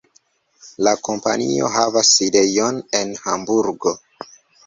La kompanio havas sidejon en Hamburgo.